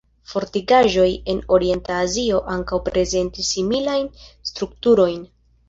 Fortikaĵoj en Orienta Azio ankaŭ prezentis similajn strukturojn.